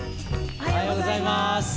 おはようございます。